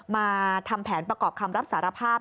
มาทำแผนประกอบคำรับสารภาพ